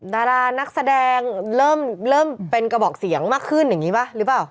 ดารานักแสดงเริ่มเป็นกระบอกเสียงมากขึ้นอย่างนี้ป่ะหรือเปล่า